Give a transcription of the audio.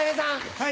はい。